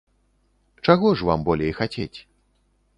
Чаго ж вам болей хацець?